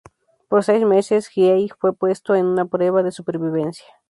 Por seis meses Hiei fue puesto a una prueba de supervivencia.